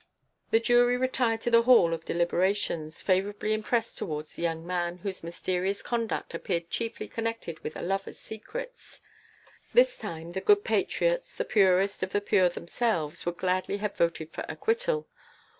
The jury retired to the hall of deliberations, favourably impressed towards the young man whose mysterious conduct appeared chiefly connected with a lover's secrets. This time the good patriots, the purest of the pure themselves, would gladly have voted for acquittal.